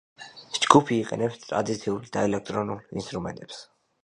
ჯგუფი იყენებს ტრადიციულ და ელექტრონულ ინსტრუმენტებს.